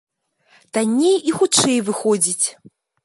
Танней і хутчэй выходзіць.